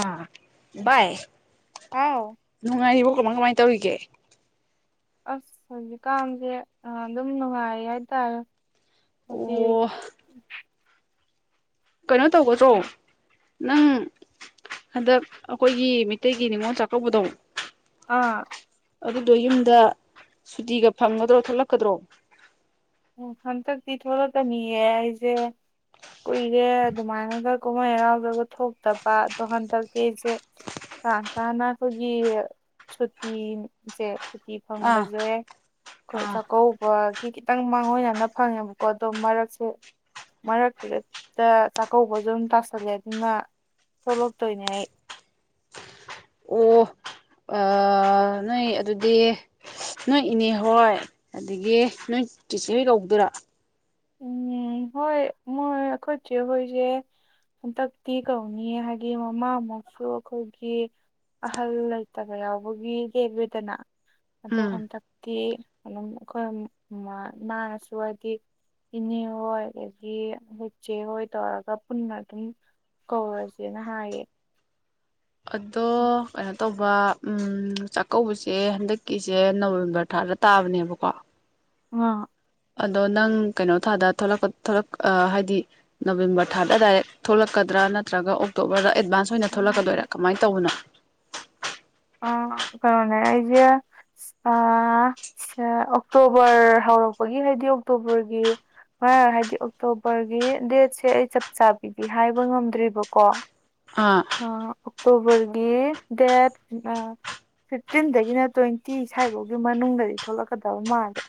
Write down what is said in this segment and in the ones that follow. ꯑꯥ ꯚꯏ ꯍꯥꯎ ꯅꯨꯡꯉꯥꯏꯔꯤꯕ ꯀꯃꯥꯏ ꯀꯃꯥꯏꯟ ꯇꯧꯔꯤꯒꯦ꯫ ꯑꯁ ꯍꯧꯖꯤꯛꯀꯥꯟꯁꯦ ꯑꯗꯨꯝ ꯅꯨꯡꯉꯥꯏ ꯍꯥꯏꯇꯥꯔꯦ ꯍꯧꯗꯤ ꯑꯣ ꯀꯩꯅꯣ ꯇꯧꯒꯗ꯭ꯔꯣ ꯅꯪ ꯍꯟꯗꯛ ꯑꯩꯈꯣꯏꯒꯤ ꯃꯩꯇꯩꯒꯤ ꯅꯤꯉꯣꯜ ꯆꯥꯛꯀꯧꯕꯗꯣ ꯑꯥ ꯑꯗꯨꯗꯣ ꯌꯨꯝꯗ ꯁꯨꯇꯤꯒ ꯐꯪꯒꯗ꯭ꯔꯣ ꯊꯣꯛꯂꯛꯀꯗ꯭ꯔꯣ ꯎꯝ ꯍꯟꯇꯥꯛꯇꯤ ꯊꯣꯛꯂꯀꯅꯤꯌꯦ ꯑꯩꯖꯦ ꯀꯨꯏꯔꯦ ꯑꯗꯨꯃꯥꯏꯅꯒ ꯀꯨꯝꯍꯩ ꯍꯔꯥꯎꯗꯒ ꯊꯣꯛꯇꯕ ꯑꯗꯣ ꯍꯟꯗꯛꯇꯤ ꯏꯁꯦ ꯀ ꯇꯥꯅ ꯑꯩꯈꯣꯏꯒꯤ ꯁꯨꯇꯤꯁꯦ ꯁꯨꯇꯤ ꯑꯥ ꯐꯪꯕꯁꯦ ꯈꯣꯏ ꯑꯥ ꯆꯥꯛꯀꯧꯕ ꯈꯤꯇꯪ ꯃꯥꯡꯑꯣꯏꯅꯅ ꯐꯪꯉꯦꯕꯀꯣ ꯑꯗꯣ ꯃꯔꯛꯁꯦ꯫ ꯃꯔꯛꯇ ꯍꯦꯛꯇ ꯆꯥꯛꯀꯧꯕꯁꯨ ꯑꯗꯨꯝ ꯇꯥꯁꯜꯂꯦ ꯑꯗꯨꯅ ꯁꯣꯛꯂꯛꯇꯣꯏꯅꯦ ꯑꯩ꯫ ꯑ ꯅꯣꯏ ꯑꯗꯨꯗꯤ ꯅꯣꯏ ꯏꯅꯦꯍꯣꯏ ꯑꯗꯒꯤ ꯅꯣꯏ ꯆꯤꯆꯦ ꯍꯣꯏ ꯀꯧꯗꯣꯏꯔꯥ꯫ ꯎꯝ ꯍꯣꯏ ꯃꯣꯏ ꯑꯩꯈꯣꯏ ꯆꯦ ꯍꯣꯏꯁꯦ ꯍꯟꯇꯛꯇꯤ ꯀꯧꯅꯤꯌꯦ ꯍꯥꯏꯗꯤ ꯃꯃꯥꯡꯃꯨꯛꯁꯨ ꯀꯧꯗꯤꯌꯦ꯫ ꯑꯍꯜ ꯂꯩꯇꯕ ꯌꯥꯎꯕꯒꯤ ꯀꯦꯕꯦꯗꯅ꯫ ꯑꯗꯣ ꯎꯝ ꯍꯟꯗꯛꯇꯤ ꯑꯗꯨꯝ ꯑꯩꯈꯣꯏ ꯃꯥ ꯏꯃꯥꯅꯁꯨ ꯍꯥꯏꯗꯤ꯫ ꯏꯅꯦ ꯍꯣꯏ ꯑꯗꯒꯤ ꯈꯣꯏ ꯆꯦ ꯍꯣꯏ ꯇꯧꯔꯒ ꯄꯨꯟꯅ ꯑꯗꯨꯝ ꯀꯣꯔ꯭ꯁꯦꯅ ꯍꯥꯌꯦ ꯑꯗꯣ ꯀꯩꯅꯣ ꯇꯧꯕ ꯆꯥꯛꯀꯧꯕꯁꯦ ꯍꯟꯗꯛꯀꯤꯁꯦ ꯅꯕꯦꯝꯕꯔ ꯊꯥꯗ ꯇꯥꯕꯅꯦꯕꯀꯣ꯫ [unintelligible] ꯑꯗꯣ ꯅꯪ ꯀꯩꯅꯣ ꯊꯥꯗ ꯊꯣꯛꯂꯛꯄ ꯊꯣꯛꯂꯛ ꯍꯥꯏꯗꯤ꯫ ꯅꯕꯦꯝꯕꯔ ꯊꯥꯗ ꯗꯥꯏꯔꯦꯛ ꯊꯣꯛꯂꯛꯀꯗ꯭ꯔꯥ ꯅꯠꯇ꯭ꯔꯒ ꯑꯣꯛꯇꯣꯕꯔꯗ ꯑꯦꯗꯚꯥꯟꯁ ꯅꯣꯏꯅ ꯈꯜꯂꯛꯀꯗꯣꯏꯔꯥ ꯀꯃꯥꯏꯟ ꯇꯧꯕꯅꯣ꯫ ꯑ ꯀꯔꯣꯅꯦ ꯑꯩꯖ ꯑ ꯁꯥ ꯑꯣꯛꯇꯣꯕꯔ ꯍꯧꯔꯛꯄꯒꯤ ꯍꯥꯏꯗꯤ ꯑꯣꯛꯇꯣꯕꯔꯒꯤ꯫ ꯍꯥꯏꯗꯤ ꯑꯣꯛꯇꯣꯕꯔꯒꯤ ꯗꯦꯠꯁꯦ ꯑꯩ ꯆꯞ ꯆꯥꯕꯤꯗꯤ ꯍꯥꯏꯕ ꯉꯝꯗ꯭ꯔꯤꯕꯀꯣ꯫ ꯑꯥ꯫ ꯑꯥ ꯑꯣꯛꯇꯣꯕꯔꯒꯤ ꯗꯦꯠ꯫ ꯑ ꯐꯤꯐꯇꯤꯟꯗꯒꯤꯅ ꯇ꯭ꯋꯦꯟꯇꯤ ꯁ꯭ꯋꯥꯏꯐꯥꯎꯒꯤ ꯃꯅꯨꯡꯗꯗꯤ ꯊꯣꯛꯂꯛꯀꯗꯕ ꯃꯥꯜꯂꯦ꯫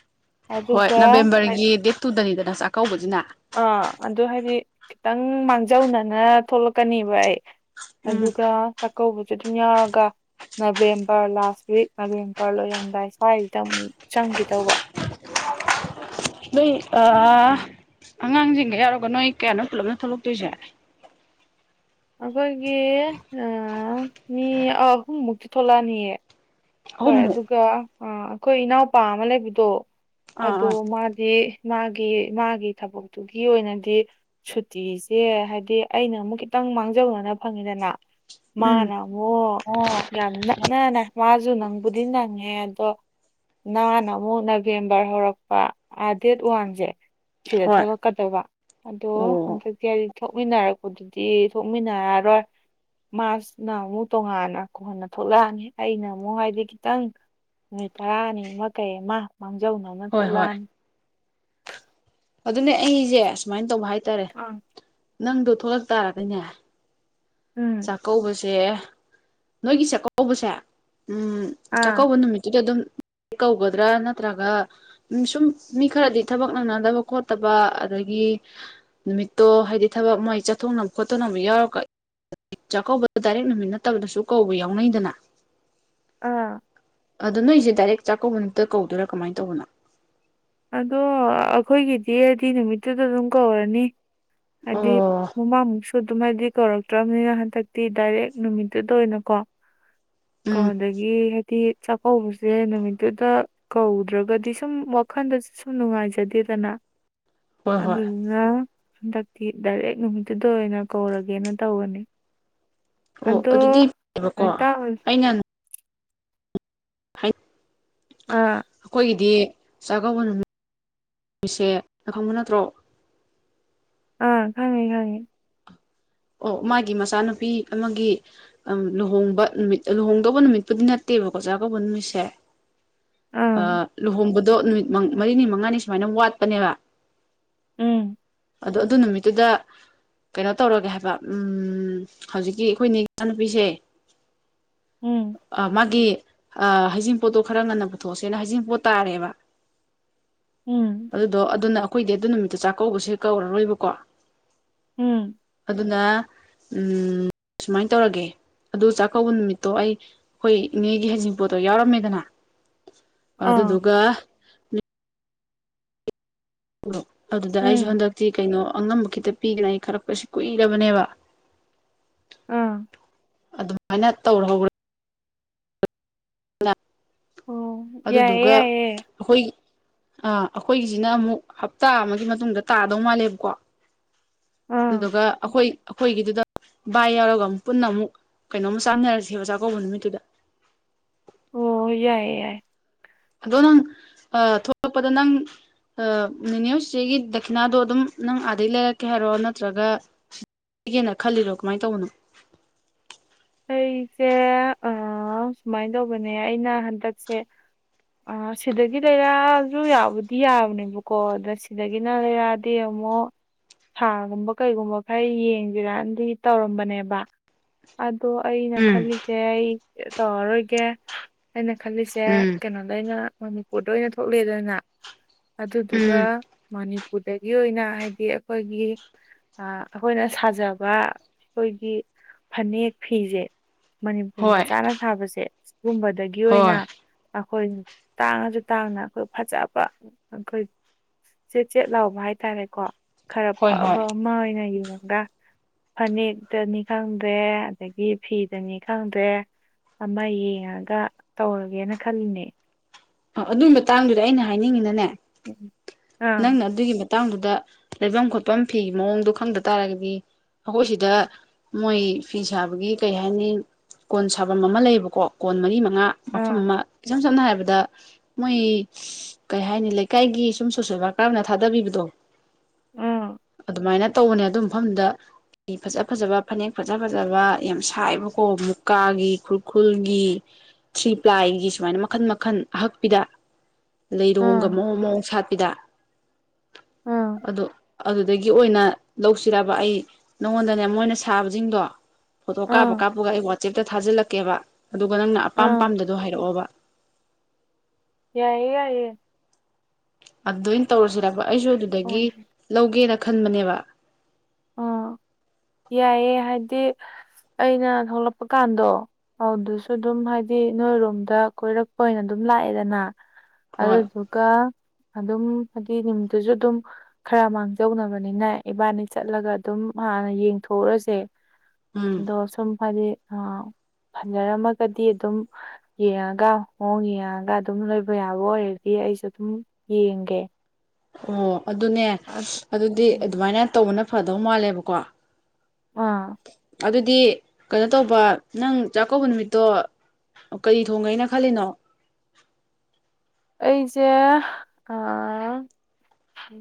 ꯍꯣꯏ ꯑꯗꯨꯒ ꯅꯕꯦꯝꯕꯔꯒꯤ ꯗꯦꯠ ꯇꯨꯗꯅꯤꯗꯅ ꯆꯥꯛꯀꯧꯕꯁꯤꯅ ꯑꯥ ꯑꯗꯨ ꯍꯥꯏꯗꯤ ꯈꯤꯇꯪ ꯃꯥꯡꯖꯧꯅꯅ ꯊꯣꯛꯂꯛꯀꯅꯤꯕ ꯑꯩ ꯎꯝ ꯑꯗꯨꯒ ꯆꯥꯛꯀꯧꯕꯁꯨ ꯑꯗꯨꯝ ꯌꯥꯎꯔꯒ ꯅꯕꯦꯝꯕꯔ ꯂꯥꯁ ꯋꯤꯛ ꯅꯕꯦꯝꯕꯔ ꯂꯣꯏꯔꯝꯗꯥꯏ ꯁ꯭ꯋꯥꯏꯁꯤꯗ ꯑꯃꯨꯛ ꯆꯪꯈꯤꯗꯧꯕ ꯑ ꯑꯉꯥꯡꯁꯤꯡꯒ ꯌꯥꯎꯔꯒ ꯅꯣꯏ ꯀꯌꯥꯅꯣ ꯄꯨꯂꯞꯅ ꯊꯣꯛꯂꯛꯇꯣꯏꯁꯦ ꯑꯩꯈꯣꯏꯒꯤ ꯃꯤ ꯑꯍꯨꯝꯃꯨꯛꯇꯤ ꯊꯣꯛꯂꯛꯑꯅꯤꯌꯦ ꯍꯣꯏ ꯑꯍꯨꯝꯃꯨꯛ ꯑꯗꯨꯒ ꯑꯩꯈꯣꯏ ꯏꯅꯥꯎꯄꯥ ꯑꯃ ꯂꯩꯕꯗꯣ ꯑꯥ ꯑꯗꯣ ꯑꯥ ꯃꯥꯗꯤ ꯃꯥꯒꯤ ꯃꯥꯒꯤ ꯊꯕꯛꯇꯨꯒꯤ ꯑꯣꯏꯅꯗꯤ ꯁꯨꯇꯤꯁꯦ ꯍꯥꯏꯗꯤ ꯑꯩꯅ ꯑꯃꯨꯛ ꯈꯤꯇꯪ ꯃꯥꯡꯖꯧꯅꯅ ꯐꯪꯉꯤꯗꯅ ꯎꯝ ꯃꯥꯅ ꯑꯃꯨꯛ ꯑꯣ ꯌꯥꯝ ꯅꯛꯅꯅ ꯃꯥꯁꯨ ꯅꯪꯕꯨꯗꯤ ꯅꯪꯉꯦ ꯑꯗꯣ ꯅꯥꯟꯅ ꯑꯃꯨꯛ ꯅꯕꯦꯝꯕꯔ ꯍꯧꯔꯛꯄꯥ ꯗꯦꯠ ꯋꯥꯟꯁꯦ ꯁꯤꯗ ꯍꯣꯏ ꯊꯣꯛꯂꯛ ꯀꯗꯧꯕ ꯑꯗꯣ ꯑꯣ ꯍꯟꯇꯛꯇꯤ ꯍꯥꯏꯗꯤ ꯊꯣꯛꯃꯤꯟꯅꯔꯛꯄꯗꯨꯗꯤ ꯊꯣꯛꯃꯤꯟꯅꯔꯔꯣꯏ ꯃꯥꯁꯤꯅ ꯑꯃꯨꯛ ꯇꯣꯉꯥꯟꯅ ꯀꯣꯛꯍꯟꯅ ꯊꯣꯛꯂꯛꯑꯅꯤ ꯑꯩꯅ ꯃꯣꯛꯍꯥꯏꯗꯤ ꯈꯤꯇꯪ ꯅꯨꯃꯤꯠ ꯇꯔꯥꯅꯤ ꯑꯃ ꯀꯩ ꯑꯃ ꯃꯥꯡꯖꯧꯅꯅ ꯍꯣꯏ ꯍꯣꯏ ꯊꯣꯛꯂꯛꯑꯅꯤ [unintelligible] ꯑꯗꯨꯅꯦ ꯑꯩꯁꯦ ꯁꯨꯃꯥꯏꯅꯂ ꯇꯧꯕ ꯍꯥꯏꯇꯥꯔꯦ ꯑꯥ ꯅꯪꯗꯣ ꯊꯣꯛꯂꯛ ꯇꯥꯔꯒꯅꯦ ꯎꯝ ꯆꯥꯛꯀꯧꯕꯁꯦ ꯅꯣꯏꯒꯤ ꯆꯥꯛꯀꯧꯕꯁꯦ ꯎꯝ ꯑꯥ ꯆꯥꯛꯀꯧꯕ ꯅꯨꯃꯤꯠꯇꯨꯗ ꯑꯗꯨꯝ ꯀꯧꯒꯗ꯭ꯔꯥ ꯅꯠꯇ꯭ꯔꯒ ꯎ ꯁꯨꯝ ꯃꯤ ꯈꯔꯗꯤ ꯊꯕꯛ ꯅꯪꯅꯗꯕ ꯈꯣꯠꯇꯕ ꯑꯗꯒꯤ ꯅꯨꯃꯤꯠꯇꯣ ꯍꯥꯏꯗꯤ ꯊꯕꯛ ꯃꯣꯏ ꯆꯠꯊꯣꯛꯅꯕ ꯈꯣꯠꯇꯣꯛꯅꯕ ꯌꯥꯎꯔꯛ ꯆꯥꯛꯀꯧꯕꯗ ꯗꯥꯏꯔꯦꯛ ꯅꯨꯃꯤꯠ ꯅꯠꯇꯕꯗꯁꯨ ꯀꯧꯕ ꯌꯥꯎꯅꯩꯗꯅ ꯑꯥ ꯑꯗꯣ ꯅꯣꯏꯁꯦ ꯗꯥꯏꯔꯦꯛ ꯆꯥꯛꯀꯧꯕ ꯅꯨꯃꯤꯠꯇ ꯀꯧꯗꯣꯏꯔꯥ ꯀꯃꯥꯏꯅ ꯇꯧꯕꯅꯣ ꯑꯗꯣ ꯑꯩꯈꯣꯏꯒꯤꯗꯤꯗꯤ ꯅꯨꯃꯤꯠꯇꯨꯗ ꯑꯗꯨꯝ ꯀꯧꯔꯅꯤ ꯍꯥꯏ ꯑꯣ ꯃꯃꯥꯡꯃꯨꯛꯁꯨ ꯑꯗꯨꯝ ꯍꯥꯏꯗꯤ ꯀꯧꯔꯛꯇ꯭ꯔꯕꯅꯤꯅ ꯍꯟꯗꯛꯇꯤ ꯗꯥꯏꯔꯦꯛ ꯅꯨꯃꯤꯠꯇꯨꯗ ꯑꯣꯏꯅꯀꯣ ꯎꯝ ꯗꯒꯤ ꯍꯥꯏꯗꯤ ꯆꯥꯛꯀꯧꯕꯁꯦ ꯅꯨꯃꯤꯠꯇꯨꯗ ꯀꯧꯗ꯭ꯔꯒꯗꯤ ꯁꯨꯝ ꯋꯥꯈꯜꯗꯁꯨ ꯁꯨꯝ ꯅꯨꯡꯉꯥꯏꯖꯗꯦꯗꯅ ꯍꯣꯏ ꯑꯗꯨ ꯍꯣꯏ ꯑꯗꯨ ꯍꯟꯗꯛꯇꯤ ꯗꯥꯏꯔꯦꯛ ꯅꯨꯃꯤꯠꯇꯨꯗ ꯑꯣꯏꯅ ꯀꯧꯔꯒꯦꯅ ꯇꯧꯕꯅꯤ ꯑꯣ ꯑꯗꯣ ꯑꯗꯨꯗꯤ ꯐꯩꯌꯦꯕꯀꯣ ꯍꯦꯛꯇꯥꯎ ꯑꯩꯅ ꯑꯥ ꯑꯩꯈꯣꯏꯒꯤꯗꯤ ꯆꯥꯛꯀꯧꯕ ꯅꯨꯃꯤꯠꯁꯦ ꯑ ꯈꯪꯕ ꯅꯠꯇ꯭ꯔꯣ ꯑꯥ ꯈꯪꯉꯤ ꯈꯪꯉꯤ ꯑꯣ ꯃꯥꯒꯤ ꯃꯆꯥꯅꯨꯄꯤ ꯑꯃꯒꯤ ꯑ ꯂꯨꯍꯣꯡꯕ ꯅꯨꯃꯤꯠ ꯂꯨꯍꯣꯡꯗꯧꯕ ꯅꯨꯃꯤꯠꯄꯨꯗꯤ ꯅꯠꯇꯦꯕꯀꯣ ꯆꯥ ꯀꯧꯕꯧꯕ ꯅꯨꯃꯤꯠꯁꯦ ꯑꯥ ꯂꯨꯍꯣꯡꯕꯗꯣ ꯅꯨꯃꯤꯠ ꯃꯔꯤꯅꯤ ꯃꯉꯥꯅꯤ ꯁꯨꯃꯥꯏꯅ ꯋꯥꯠꯄꯅꯦꯕ ꯎꯝ ꯑꯗꯣ ꯑꯗꯨ ꯅꯨꯃꯤꯠꯇꯨꯗ ꯀꯩꯅꯣ ꯇꯧꯔꯒꯦ ꯍꯥꯏ ꯎꯝ ꯍꯧꯖꯤꯛꯀꯤ ꯑꯩꯈꯣꯏꯅꯦ ꯏꯆꯥꯅꯨꯄꯤꯁꯦ ꯎꯝ ꯑ ꯃꯥꯒꯤ ꯍꯩꯖꯤꯡꯄꯣꯠꯇꯣ ꯈꯔ ꯉꯟꯅ ꯄꯨꯊꯣꯛꯑꯁꯦꯅ ꯍꯩꯖꯤꯡꯄꯣꯠ ꯇꯥꯔꯦꯕ ꯎꯝ ꯑꯗꯨꯗꯣ ꯑꯗꯨꯅ ꯑꯩꯈꯣꯏꯗꯤ ꯑꯗꯨ ꯅꯨꯃꯤꯠꯇ ꯆꯥꯛꯀꯧꯕꯁꯦ ꯀꯧꯔꯔꯣꯏꯕꯀꯣ ꯎꯝ ꯑꯗꯨꯅ ꯎꯝ ꯁꯨꯃꯥꯏ ꯇꯧꯔꯒꯦ ꯑꯗꯨ ꯆꯥꯛꯀꯧꯕ ꯅꯨꯃꯤꯠꯇꯣ ꯑꯩ ꯑꯩꯈꯣꯏ ꯏꯅꯦꯒꯤ ꯍꯩꯖꯤꯡ ꯄꯣꯠꯇꯣ ꯌꯥꯎꯔꯝꯃꯦꯗꯅ ꯑꯥ ꯑꯗꯨꯗꯨꯒ ꯑꯣ ꯑꯗꯨꯗ ꯑꯩꯁꯨ ꯎꯝ ꯍꯟꯗꯛꯇꯤ ꯀꯩꯅꯣ ꯑꯉꯝꯕ ꯈꯤꯇꯪ ꯄꯤꯒꯅꯥꯏ ꯈꯔꯛꯄꯁꯤ ꯀꯨꯏꯔꯕꯅꯦꯕ ꯑꯥ ꯑꯗꯨꯃꯥꯏꯅ ꯇꯧꯍꯧ꯭ꯔꯦ ꯑꯣ [unintelligible] ꯌꯥꯏꯌꯦ ꯑꯗꯨꯗꯨꯒ ꯌꯥꯏꯌꯦ ꯑꯩꯈꯣꯏꯒꯤ ꯑꯥ ꯑꯩꯈꯣꯏꯒꯤꯁꯤꯅ ꯑꯃꯨꯛ ꯍꯞꯇꯥ ꯑꯃꯒꯤ ꯃꯇꯨꯡꯗ ꯇꯥꯗꯧ ꯃꯥꯜꯂꯦꯕꯀꯣ ꯑꯥ ꯑꯗꯨꯗꯨꯒ ꯑꯩꯈꯣꯏ ꯑꯩꯈꯣꯏꯒꯤꯗꯨꯗ ꯕꯥꯏ ꯌꯥꯎꯔꯒ ꯑꯃꯨꯛ ꯄꯨꯟꯅ ꯑꯃꯨꯛ ꯀꯩꯅꯣꯝ ꯆꯥ ꯃꯤꯟꯅꯔꯁꯤ ꯑꯣꯖꯥ ꯀꯧꯕ ꯅꯨꯃꯤꯠꯇꯨꯗ꯫ ꯑꯣ ꯌꯥꯏꯌꯦ ꯌꯥꯏ ꯑꯗꯣ ꯅꯪ ꯊꯣꯛꯂꯛꯄꯗ ꯅꯪ ꯑꯥ ꯅꯦꯅꯦ ꯍꯧꯏ ꯆꯦꯆꯦꯒꯤ ꯗꯈꯤꯅꯥꯗꯣ ꯑꯗꯨꯝ ꯅꯪ ꯑꯥꯗꯒꯤ ꯂꯩꯔꯛꯀꯦ ꯍꯥꯏꯔꯣ ꯅꯠꯇ꯭ꯔꯒ ꯀꯒꯦꯅ ꯈꯜꯂꯤꯔꯣ ꯀꯃꯥꯏꯅ ꯇꯧꯕꯅꯣ ꯑꯩꯁꯦ ꯁꯨꯃꯥꯏꯅ ꯇꯧꯕꯅꯦ ꯑꯩꯅ ꯍꯟꯗꯛꯁꯦ ꯑꯥ ꯁꯤꯗꯒꯤ ꯂꯩꯔꯥꯁꯨ ꯌꯥꯎꯕꯨꯗꯤ ꯌꯥꯕꯅꯦꯕꯀꯣ ꯑꯗ ꯁꯤꯗꯒꯤꯅ ꯂꯩꯔꯥ ꯗꯩ ꯑꯃꯨꯛ ꯁꯥꯜꯒꯨꯝꯕ ꯀꯩꯒꯨꯝꯕ ꯈꯔ ꯌꯦꯡꯁꯤꯔꯅꯗꯤ ꯇꯧꯔꯝꯕꯅꯦꯕ ꯑꯗꯣ ꯑꯩꯅ ꯎꯝ ꯈꯜꯂꯤꯁꯦ ꯑꯩ ꯇꯧꯔꯔꯣꯏꯒꯦ ꯑꯩꯅ ꯈꯜꯂꯤꯁꯦ ꯎꯝ ꯀꯩꯅꯣꯗ ꯑꯩꯅ ꯃꯅꯤꯄꯨꯔꯗ ꯑꯣꯏꯅ ꯊꯣꯛꯂꯛꯑꯦꯗꯅ ꯑꯗꯨꯗꯨꯒ ꯎꯝ ꯃꯅꯤꯄꯨꯔꯗꯒꯤ ꯑꯣꯏꯅ ꯍꯥꯏꯗꯤ ꯑꯩꯈꯣꯏꯒꯤ ꯑꯩꯈꯣꯏꯅ ꯁꯥꯖꯕ ꯑꯩꯈꯣꯏꯒꯤ ꯐꯅꯦꯛ ꯐꯤꯁꯦ ꯃꯅꯤꯄꯨꯔ ꯍꯣꯏ ꯃꯆꯥꯅ ꯁꯥꯕꯁꯦ ꯁꯤꯒꯨꯝꯕꯗꯒꯤ ꯑꯣꯏꯅ꯫ ꯍꯣꯏ ꯑꯩꯈꯣꯏ ꯇꯥꯡꯉꯁꯨ ꯇꯥꯡꯅ ꯑꯩꯈꯣꯏ ꯐꯖꯕ ꯑꯩꯈꯣꯏ ꯆꯦꯠ ꯆꯦꯠ ꯂꯥꯎꯕ ꯍꯥꯏꯇꯥꯔꯦꯀꯣ꯫ ꯈꯔ ꯍꯣꯏ ꯍꯣꯏ ꯐꯕ ꯑꯃ ꯑꯣꯏꯅ ꯌꯦꯡꯉꯒ ꯐꯅꯦꯛꯇꯅꯤ ꯈꯪꯗ꯭ꯔꯦ ꯑꯗꯒꯤ ꯐꯤꯗꯅꯤ ꯈꯪꯗ꯭ꯔꯦ ꯑꯃ ꯌꯦꯡꯉꯒ ꯇꯧꯔꯒꯦꯅ ꯈꯜꯂꯤꯅꯦ ꯑꯗꯨꯒꯤ ꯃꯇꯥꯡꯗꯨꯗ ꯑꯩꯅ ꯍꯥꯏꯅꯤꯡꯉꯤꯅꯅꯦ꯫ [unintelligible] ꯑꯥ ꯅꯪꯅ ꯑꯗꯨꯒꯤ ꯃꯇꯥꯡꯗꯨꯗ ꯂꯩꯐꯝ ꯈꯣꯠꯐꯝ ꯐꯤ ꯃꯑꯣꯡꯗꯣ ꯈꯪꯗ ꯇꯥꯔꯒꯗꯤ ꯑꯩꯈꯣꯏ ꯁꯤꯗ ꯃꯣꯏ ꯐꯤ ꯁꯥꯕꯒꯤ ꯀꯩ ꯍꯥꯏꯅꯤ ꯀꯣꯟ ꯁꯥꯐꯝ ꯑꯃ ꯂꯩꯕꯀꯣ ꯀꯣꯟ ꯃꯔꯤꯥ ꯃꯐꯝ ꯑꯥ ꯑꯃ ꯏꯁꯝ ꯁꯝꯅ ꯍꯥꯏꯔꯕꯗ ꯃꯣꯏ ꯀꯩ ꯍꯥꯏꯅꯤ ꯂꯩꯀꯥꯏꯒꯤ ꯁꯨꯝ ꯁꯣꯁꯦꯜ ꯋꯥꯔꯀꯔꯅ ꯊꯥꯗꯕꯤꯕꯗꯣ ꯑꯥ ꯑꯗꯨꯃꯥꯏꯅ ꯇꯧꯕꯅꯦ ꯑꯗꯨ ꯃꯐꯝꯗ꯫ ꯐꯤ ꯐꯖ ꯐꯖꯕ ꯐꯅꯦꯛ ꯐꯖ ꯐꯖꯕ ꯌꯥꯝ ꯁꯥꯏꯕꯀꯣ ꯃꯨꯀꯥꯒꯤ ꯈꯨꯔꯈꯨꯜꯒꯤ ꯊ꯭ꯔꯤ ꯄ꯭ꯂꯥꯏꯒꯤ ꯁꯨꯃꯥꯏꯅ ꯃꯈꯟ ꯃꯈꯟ ꯑꯍꯛꯄꯤꯗ ꯑꯥ ꯂꯩꯔꯣꯡꯒ ꯃꯑꯣꯡ ꯃꯑꯣꯡꯠ ꯄꯗ ꯑꯥ ꯑꯗꯨ ꯑꯗꯨꯗꯒꯤ ꯑꯣꯏꯅ ꯂꯧꯁꯤꯔꯕ ꯑꯩ ꯅꯉꯣꯟꯗꯅꯦ ꯃꯣꯏꯅ ꯁꯥꯕꯁꯤꯡꯗꯣ꯫ ꯐꯣꯇꯣ ꯀꯥꯞꯄ ꯑꯥ ꯀꯥꯞꯄꯒ ꯑꯩ ꯋꯥꯆꯦꯞꯇ ꯊꯥꯖꯤꯜꯂꯛꯀꯦꯕ ꯑꯗꯨꯒ ꯅꯪꯅ ꯑꯄꯥꯝ ꯑꯥ ꯄꯥꯝꯗꯗꯣ ꯍꯥꯏꯔꯛꯑꯣꯕ꯫ ꯌꯥꯏꯌꯦ ꯌꯥꯏꯌꯦ ꯑꯗꯨꯅ ꯇꯧꯔꯁꯤꯔꯄ ꯑꯩꯁꯨ ꯎꯝ ꯑꯗꯨꯗꯒꯤ ꯂꯧꯒꯦꯅ ꯈꯟꯕꯅꯦꯕ [inaudible] ꯌꯥꯏꯌꯦꯦ ꯍꯥꯏꯕꯗꯤ ꯑꯩꯅ ꯊꯣꯛꯂꯛꯄ ꯀꯥꯟꯗꯣ ꯑꯗꯨ ꯑꯗꯨꯁꯨ ꯑꯗꯨꯝ ꯍꯥꯏꯗꯤ ꯅꯣꯏꯔꯣꯝꯗ ꯀꯣꯏꯔꯛꯄ ꯑꯣꯏꯅ ꯑꯗꯨꯝ ꯂꯥꯛꯑꯦꯗꯅ ꯍꯣꯏ [unintelligible] ꯀꯥ ꯑꯗꯨꯝ ꯍꯥꯏꯗꯤ ꯅꯨꯃꯤꯠꯇꯨꯁꯨ ꯑꯗꯨꯝ ꯈꯔ ꯃꯥꯡꯖꯧꯅꯕꯅꯤꯅ ꯏꯕꯥꯅꯤ꯫ ꯆꯠꯂꯒ ꯑꯗꯨꯝ ꯍꯥꯟꯅ ꯌꯦꯡꯊꯣꯛꯎꯔꯁꯦ ꯎꯝ ꯑꯗꯣ ꯁꯨꯝ ꯍꯥꯏꯗꯤ ꯑ ꯐꯖꯔꯝꯃꯒꯗꯤ ꯑꯗꯨꯝ ꯌꯦꯡꯉꯒ ꯃꯌꯣꯡ ꯌꯦꯡꯉꯒ ꯑꯗꯨꯝ ꯂꯣꯏꯕ ꯌꯥꯕ ꯑꯣꯏꯔꯗꯤ ꯑꯩꯁꯨ ꯑꯗꯨꯝ ꯌꯦꯡꯒꯦ ꯑꯣ ꯑꯗꯨꯅꯦ ꯑꯗꯨꯗꯤ ꯑꯗꯨꯃꯥꯏꯅ ꯇꯧꯕꯅ ꯐꯗꯧ ꯃꯥꯜꯂꯦꯕꯀꯣ ꯑꯥ ꯑꯗꯨꯗꯤ ꯀꯩꯅꯣꯇꯧꯕ ꯅꯪ ꯆꯥꯛꯀꯧꯕ ꯅꯨꯃꯤꯠꯇꯣ ꯀꯔꯤ ꯊꯣꯡꯉꯩꯅ ꯈꯜꯂꯤꯅꯣ꯫ ꯑꯩꯁꯦ ꯑ꯫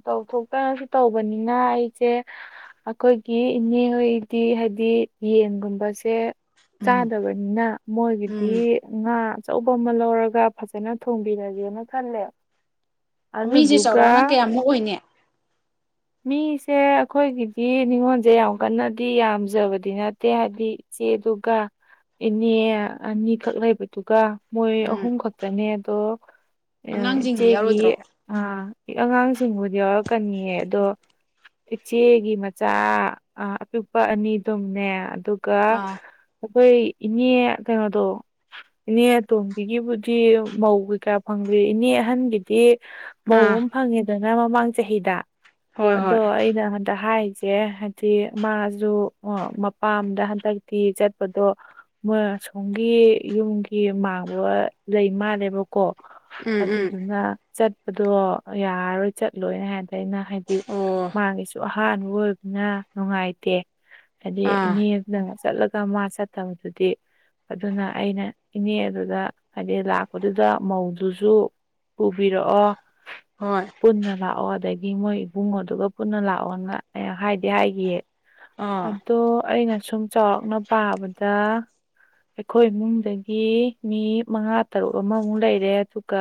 ꯇꯧꯊꯣꯛꯇꯅꯁꯨ ꯇꯧꯕꯅꯤꯅ ꯑꯩꯁꯦ꯫ ꯑꯩꯈꯣꯏꯒꯤ ꯏꯅꯦ ꯍꯣꯏꯗꯤ ꯍꯥꯏꯗꯤ ꯌꯦꯟ ꯒꯨꯝꯕꯁꯦ ꯎꯝ ꯆꯥꯗꯕꯅꯤꯅ ꯃꯣꯏꯒꯤꯗꯤ ꯎꯝ ꯉꯥ ꯑꯆꯧꯕ ꯑꯃ ꯂꯧꯔꯒ ꯐꯖꯅ ꯊꯣꯡꯕꯤꯔꯒꯦꯅ ꯈꯜꯂꯦ ꯃꯤꯁꯦ ꯑꯗꯨꯗꯨꯒ ꯆꯥꯎꯔꯥꯛꯅ ꯀꯌꯥꯃꯨꯛ ꯑꯣꯏꯅꯤ ꯃꯤꯁꯦ ꯑꯩꯈꯣꯏꯒꯤꯗꯤ ꯅꯤꯉꯣꯟꯁꯦ ꯌꯥꯝ ꯀꯟꯅꯗꯤ ꯌꯥꯝꯖꯕꯗꯤ ꯅꯠꯇꯦ ꯍꯥꯏꯗꯤ ꯆꯦꯗꯨꯒ꯫ ꯏꯅꯦ ꯑꯅꯤꯈꯛ ꯂꯩꯕꯗꯨꯒ ꯃꯣꯏ ꯎꯝ ꯑꯍꯨꯝ ꯈꯛꯇꯅꯦ ꯑꯗꯣ꯫ ꯑꯉꯥꯡꯁꯤꯡꯗꯤ ꯏꯆꯦꯒꯤ ꯌꯥꯎꯔꯣꯏꯗ꯭ꯔꯣ ꯑ ꯑꯉꯥꯡꯁꯤꯡꯕꯨꯗꯤ ꯌꯥꯎꯔꯛꯀꯅꯤꯌꯦ ꯑꯗꯣ ꯏꯆꯦꯒꯤ ꯃꯆꯥ ꯑꯄꯤꯛꯄ ꯑꯅꯤꯗꯨꯝꯅꯦ ꯑꯗꯨꯒ ꯑꯥ ꯑꯩꯈꯣꯏ ꯏꯅꯦ ꯀꯩꯅꯣꯗꯣ ꯏꯅꯦ ꯑꯇꯣꯝꯕꯤꯒꯤꯕꯨꯗꯤ ꯃꯧ ꯀꯩꯀꯥ꯫ ꯐꯪꯕꯤꯔꯏꯅꯦ ꯑꯍꯟꯒꯤꯗꯤ ꯃꯧ ꯑꯥ ꯑꯃ ꯐꯪꯉꯦ ꯑꯗꯨꯅ ꯃꯃꯥꯡ ꯆꯍꯤꯗ ꯍꯣꯏ ꯑꯗꯣ ꯍꯣꯏ ꯑꯗ ꯑꯗ ꯍꯥꯏꯁꯦ ꯍꯥꯏꯗꯤ ꯃꯥꯁꯨ ꯃꯄꯥꯝꯗ ꯍꯟꯗꯛꯇꯤ ꯆꯠꯄꯗꯣ꯫ ꯁꯣꯝꯒꯤ ꯌꯨꯝꯒꯤ ꯃꯥꯡꯕ ꯂꯩ ꯃꯥꯜꯂꯦꯕꯀꯣ꯫ ꯎꯝ ꯎꯝ ꯑꯗꯨꯗꯨꯅ ꯆꯠꯄꯗꯣ ꯌꯥꯔꯔꯣꯏ ꯆꯠꯂꯣꯏꯅ ꯍꯥꯏꯔꯗ ꯑꯩꯅ ꯍꯥꯏꯗꯤ ꯑꯣ ꯃꯥꯒꯤꯁꯨ ꯑꯍꯥꯟꯕ ꯑꯣꯏꯕꯅ ꯅꯨꯡꯉꯥꯏꯇꯦ ꯍꯥꯏꯗꯤ ꯑꯥ ꯏꯅꯦ꯫ ꯅꯪ ꯆꯠꯂꯒ ꯃꯥ ꯆꯠꯇꯕꯗꯨꯗꯤ ꯑꯗꯨꯅ ꯑꯩꯅ ꯏꯅꯦ ꯑꯗꯨꯗ ꯍꯥꯏꯗꯤ ꯂꯥꯛꯄꯗꯨꯗ꯫ ꯃꯧꯗꯨꯁꯨ ꯄꯨꯕꯤꯔꯛꯑꯣ꯫ ꯍꯣꯏ꯫ ꯄꯨꯟꯅ ꯂꯥꯛꯑꯣ ꯑꯗꯒꯤ ꯃꯣꯏ ꯏꯕꯨꯡꯉꯣꯗꯨꯒ ꯄꯨꯟꯅ ꯂꯥꯛꯑꯣꯅ ꯑ ꯍꯥꯏꯗꯤ ꯍꯥꯏꯒꯤꯌꯦ꯫ ꯑꯥ ꯑꯗꯣ ꯑꯩꯅ ꯁꯨꯝ ꯆꯥꯎꯔꯥꯛꯅ ꯄꯥꯕꯗ ꯑꯩꯈꯣꯏ ꯏꯃꯨꯡꯗꯒꯤ ꯃꯤ ꯃꯉꯥ ꯇꯔꯨꯛ ꯑꯃꯃꯨꯛ ꯂꯩꯔꯦ ꯑꯗꯨꯒ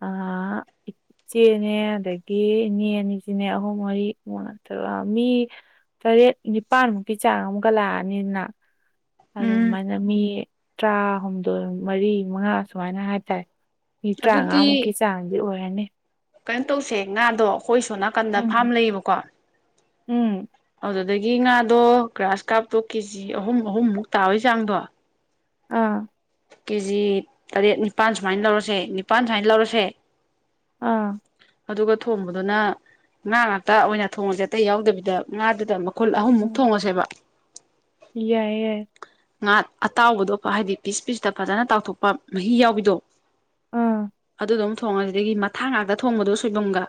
ꯑ ꯏ ꯆꯦꯅꯦ ꯑꯗꯒꯤ ꯏꯅꯦ ꯑꯅꯤꯆꯤꯅꯦ ꯑꯍꯨꯝ ꯃꯔꯤ ꯃꯨꯛ ꯅꯊ ꯃꯤ ꯇꯔꯦꯠ ꯅꯤꯄꯥꯟꯃꯨꯛꯀꯤ ꯆꯥꯡ ꯑꯃꯨꯛ ꯂꯥꯛꯑꯅꯤꯅ ꯎꯝ ꯑꯗꯨꯃꯥꯏꯅ ꯃꯤ ꯇꯔꯥꯍꯨꯝꯗꯣꯏ ꯃꯔꯤ ꯃꯉꯥ ꯁꯨꯃꯥꯏꯅ ꯍꯥꯏꯇꯥꯔꯦ ꯃꯤ ꯇꯔꯥꯃꯉꯥꯃꯨꯛꯀꯤ ꯑꯗꯨꯗꯤ ꯆꯥꯡꯗꯤ ꯑꯣꯏꯔꯅꯤ ꯀꯩꯅꯣ ꯇꯧꯁꯦ ꯉꯥꯗꯣ ꯑꯩꯈꯣꯏ ꯁꯣꯝ ꯅꯥꯀꯟꯗ ꯎꯝ ꯐꯥꯝ ꯂꯩꯌꯦꯕꯀꯣ ꯎꯝ ꯑꯗꯨꯗꯒꯤ ꯉꯥꯗꯣ ꯒ꯭ꯔꯥꯁ ꯀꯥꯞꯇꯣ ꯀꯦꯖꯤ ꯑꯍꯨꯝ ꯑꯍꯨꯝꯃꯨꯛ ꯇꯥꯕꯒꯤ ꯆꯥꯡꯗꯣ ꯑꯥ ꯀꯦꯖꯤ ꯇꯔꯦꯠ ꯅꯤꯄꯥꯟ ꯁꯨꯃꯥꯏꯟ ꯂꯧꯔꯁꯦ ꯅꯤꯄꯥꯟ ꯁꯨꯃꯥꯏꯟ ꯂꯧꯔꯁꯦ ꯑꯥ ꯑꯗꯨꯒ ꯊꯣꯡꯕꯗꯨꯅ ꯉꯥ ꯉꯥꯛꯇ ꯑꯣꯏꯅ ꯊꯣꯡꯉꯁꯦ ꯑꯇꯩ ꯌꯥꯎꯗꯕꯤꯗ ꯉꯥꯗꯨꯗ ꯑꯃꯨ [unintelligible] ꯈꯨꯜ [unintelligible] ꯑꯍꯨꯝꯃꯨꯛ ꯊꯣꯡꯉꯁꯦꯕ ꯌꯥꯏ ꯌꯥꯏ ꯉꯥ ꯑꯇꯥꯎꯕꯗꯣ ꯍꯥꯏꯗꯤ ꯄꯤꯁ ꯄꯤꯁꯇ ꯐꯖꯅ ꯇꯥꯎꯊꯣꯛꯄ ꯃꯍꯤ ꯌꯥꯎꯕꯤꯗꯣ ꯑꯥ ꯑꯗꯨꯗꯨꯃ ꯊꯣꯡꯉꯁꯤ ꯑꯗꯒꯤ ꯃꯊꯥ ꯉꯥꯛꯇ ꯊꯣꯡꯕꯗꯣ ꯁꯣꯏꯕꯨꯝꯒ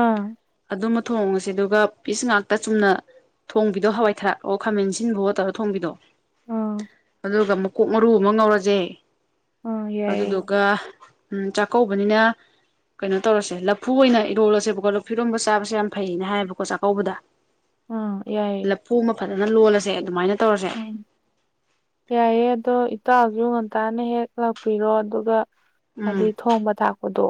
ꯑꯥ ꯑꯗꯨꯃ ꯊꯣꯡꯉꯁꯤ ꯑꯗꯨꯒ ꯄꯤꯁ ꯉꯥꯛꯇ ꯆꯨꯝꯅ ꯊꯣꯡꯕꯤꯗꯣ ꯍꯋꯥꯏ ꯊꯔꯥꯛ ꯑꯣ ꯈꯥꯃꯦꯟ ꯑꯁꯤꯟꯕꯣ ꯇꯧꯔ ꯊꯣꯡꯕꯤꯗꯣ ꯑꯥ ꯑꯗꯨꯒ ꯃꯀꯣꯛ ꯃꯔꯨ ꯑꯃ ꯉꯧꯔꯁꯦ ꯑꯥ ꯑꯗꯨꯗꯨ ꯌꯥꯏꯌꯦ ꯑꯗꯨꯒ ꯆꯥꯛꯀꯧꯕꯅꯤꯅ ꯀꯩꯅꯣ ꯇꯧꯔꯁꯦ ꯂꯐꯨ ꯑꯣꯏꯅ ꯏꯔꯣꯜꯂꯁꯦꯕꯀꯣ ꯂꯐꯨ ꯏꯔꯣꯝꯕ ꯆꯥꯕꯁꯦ ꯌꯥꯝ ꯐꯩꯌꯦꯅ ꯍꯥꯏꯌꯦꯕꯀꯣ ꯆꯥꯛꯀꯧꯕꯗ [unintelligible] ꯑꯥ ꯌꯥꯏꯌꯦ ꯐꯨ ꯑꯃ ꯐꯖꯅ ꯂꯣꯜꯂꯁꯦ ꯑꯗꯨꯃꯥꯏꯅ ꯇꯧꯔꯁꯦ ꯎꯝ ꯌꯥꯏꯌꯦ ꯑꯗꯣ ꯏꯇꯥꯎꯁꯨ ꯉꯟꯇꯥꯅ ꯍꯦꯛ ꯂꯥꯛꯄꯤꯔꯣ ꯑꯗꯨꯒ ꯎꯝ ꯑꯗꯩ ꯊꯣꯡꯕ ꯊꯥꯛꯄꯗꯣ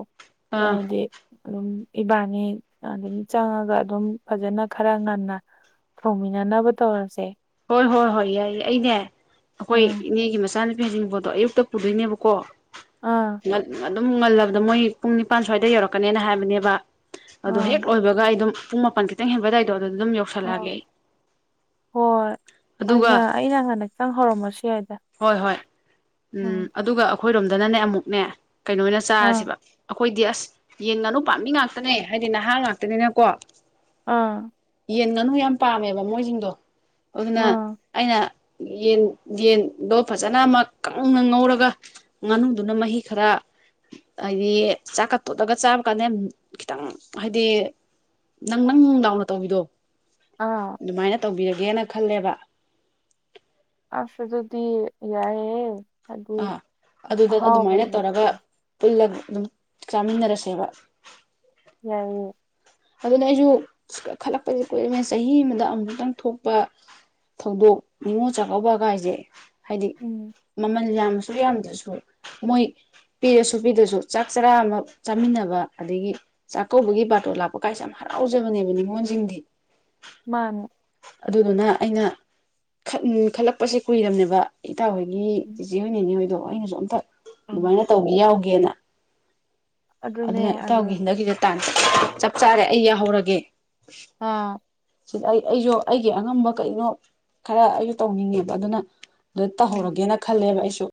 ꯑꯥ ꯍꯥꯏꯗꯤ ꯑꯗꯨꯝ ꯏꯕꯥꯅꯤ ꯑꯗꯒꯤ ꯆꯪꯉꯒ ꯑꯗꯨꯝ ꯐꯖꯅ ꯈꯔ ꯉꯟꯅ ꯊꯣꯡꯃꯤꯟꯅꯅꯕ ꯇꯧꯔꯁꯦ ꯍꯣꯏ ꯍꯣꯏ ꯍꯣꯏ ꯌꯥꯏꯌꯦ ꯑꯩꯅꯦ ꯑꯩꯈꯣꯏ ꯎꯝ ꯏꯅꯦꯒꯤ ꯃꯆꯥꯅꯨꯄꯤ ꯍꯩꯖꯤꯡꯄꯣꯠꯇꯣ ꯑꯌꯨꯛꯇ ꯄꯨꯗꯣꯏꯅꯦꯕꯀꯣ ꯑꯥ ꯑꯗꯨꯝ ꯉꯜꯂꯕꯗ ꯃꯣꯏ ꯄꯨꯡ ꯅꯤꯄꯥꯟ ꯁ꯭ꯋꯥꯏꯗ ꯌꯧꯔꯛꯀꯅꯦꯅ ꯍꯥꯏꯕꯅꯦꯕ ꯑꯗꯣ ꯍꯦꯛ ꯑꯥ ꯂꯣꯏꯕꯒ ꯑꯩꯗꯨꯝ ꯄꯨꯡ ꯃꯥꯄ ꯈꯤꯇꯪ ꯍꯦꯟꯕ ꯑꯗꯨꯋꯥꯏꯗꯣ ꯑꯗꯨ ꯑꯗꯨꯝ ꯌꯧ ꯑ ꯍꯣꯏ ꯑꯗꯨꯒ ꯑꯩꯅ ꯑꯩꯅ ꯍꯥꯟꯅ ꯆꯪ ꯍꯧꯔꯝꯃꯁꯨ ꯌꯥꯏꯗ ꯍꯣꯏ ꯍꯣꯏ ꯎꯝ ꯑꯩꯈꯣꯏꯔꯣꯝꯗꯅꯅꯦ ꯑꯃꯨꯛꯅꯦ ꯀꯩꯅꯣ ꯑꯣꯏꯅ ꯑꯥ ꯆꯥꯔꯁꯦꯕ ꯑꯩꯈꯣꯏ ꯑꯈꯣꯏꯗꯤ ꯑꯁ ꯌꯦꯟ ꯉꯥꯅꯨ ꯄꯥꯝꯕꯤ ꯉꯥꯛꯇꯅꯦ ꯍꯥꯏꯗꯤ ꯅꯍꯥ ꯉꯥꯛꯇꯅꯤꯅꯀꯣ ꯑꯥ ꯌꯦꯟ ꯉꯥꯅꯨ ꯌꯥꯝ ꯄꯥꯝꯃꯦꯕ ꯃꯣꯏꯁꯤꯡꯗꯣ ꯑꯗꯨꯅ ꯑꯥ ꯑꯩꯅ ꯌꯦꯟ ꯌꯦꯟꯗꯣ ꯐꯖꯅ ꯑꯃ ꯀꯪꯅ ꯉꯧꯔꯒ ꯉꯥꯅꯨꯗꯨꯅ ꯃꯍꯤ ꯈꯔ ꯍꯥꯏꯗꯤ ꯆꯥꯛꯀ ꯇꯣꯠꯂꯒ ꯆꯥꯕ ꯀꯥꯟꯗ ꯈꯤꯇꯪ ꯍꯥꯏꯗꯤ ꯅꯪ ꯅꯪ ꯂꯥꯎꯅ ꯇꯧꯕꯤꯗꯣ ꯑꯥ ꯑꯗꯨꯃꯥꯏꯅ ꯇꯧꯕꯤꯔꯒꯦꯅ ꯈꯜꯂꯦꯕ ꯑꯥꯁ ꯑꯗꯨꯗꯤ ꯌꯥꯏꯌꯦ ꯍꯥꯏꯗꯤ ꯑꯥ ꯑꯗꯨꯗ ꯑꯗꯨꯃꯥꯏꯅ ꯑꯍꯥꯎꯕꯁꯦ ꯇꯧꯔꯒ ꯄꯨꯜꯂꯒ ꯑꯗꯨꯝ ꯆꯥꯃꯤꯟꯅꯔꯁꯦꯕ ꯌꯥꯏꯌꯦ ꯑꯗꯨꯅꯤ ꯑꯩꯁꯨ ꯈꯜꯂꯛꯄꯁꯨ ꯀꯨꯔꯃꯤ ꯆꯥꯍꯤ ꯑꯃꯗ ꯑꯃꯨꯈꯛꯇꯪ ꯊꯣꯛꯄ ꯊꯧꯗꯣꯛ ꯅꯤꯉꯣꯜ ꯆꯥꯛꯀꯧꯕ ꯒꯥꯏꯁꯦ ꯍꯥꯏꯗꯤ ꯎꯝ ꯃꯃꯜ ꯌꯥꯝ ꯃꯌꯥꯝꯗꯁꯨ ꯃꯣꯏ ꯄꯤꯔꯁꯨ ꯄꯤꯗ꯭ꯔꯁꯨ ꯆꯥꯛ ꯆꯔꯥ ꯑꯃ ꯆꯥꯃꯤꯟꯅꯕ ꯑꯗꯒꯤ ꯆꯥꯛꯀꯧꯕꯒꯤ ꯕꯥꯔꯇꯣꯟ ꯂꯥꯛꯄ ꯀꯥꯏꯁꯦ ꯌꯥꯝ ꯍꯔꯥꯎꯖꯕꯅꯦꯕ ꯅꯤꯉꯣꯟꯜꯁꯤꯡꯗꯤ ꯃꯥꯅꯦ ꯑꯗꯨꯗꯨꯅ ꯑꯩꯅ ꯈꯟꯈꯠꯂꯛꯄꯁꯦ ꯀꯨꯏꯔꯝꯅꯦꯕ ꯏꯇꯥꯎꯍꯣꯏꯒꯤ ꯎꯝ ꯆꯦꯆꯦ ꯍꯣꯏ ꯅꯦꯅꯦ ꯍꯣꯏꯗꯣ ꯑꯩꯅꯁꯨ ꯑꯝꯇ ꯎꯝ ꯑꯗꯨꯃꯥꯏꯅ ꯇꯧꯒꯦ ꯌꯥꯎꯒꯦꯅ ꯑꯗꯨꯅꯦ ꯑꯗꯨꯅ ꯑꯗꯩ ꯏꯇꯥꯎꯒꯤ ꯍꯟꯗꯛꯀꯤꯗ ꯇꯥꯟ ꯆꯞ ꯆꯥꯔꯦ ꯑꯩ ꯌꯥꯍꯧꯔꯒꯦ ꯑꯥ ꯁꯤꯗ [unintelligible] ꯑꯩ ꯑꯩꯁꯨ ꯑꯩꯒꯤ ꯑꯉꯝꯕ ꯀꯩꯅꯣ ꯈꯔ ꯑꯩꯁꯨ ꯇꯧꯅꯤꯡꯉꯦꯕ ꯑꯗꯨꯅ ꯑꯗꯨꯗ ꯎꯝ ꯇꯧꯍꯧꯔꯒꯦꯅ ꯈꯜꯂꯦꯕ ꯑꯩꯁꯨ